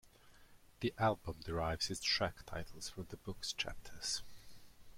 The album derives its track titles from the book's chapters.